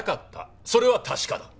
それは確かだ。